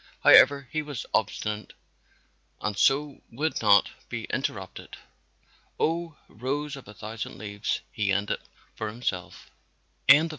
However, he was obstinate and so would not be interrupted. "Oh, Rose of a Thousand Leaves," he ended for himself.